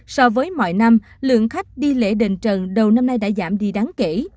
so với mọi năm lượng khách đi lễ đền trần đầu năm nay đã giảm đi đáng kể